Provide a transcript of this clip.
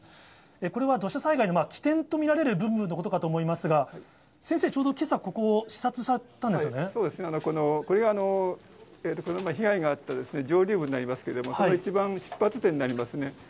これは土砂災害の起点と見られる部分のことかと思いますが、先生、ちょうどけさ、そうですね、これは被害があった上流部になりますけれども、その一番、出発点になりますね。